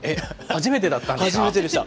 初めてだったんですか？